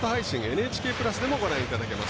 ＮＨＫプラスでもご覧いただけます。